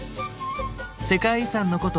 世界遺産の古都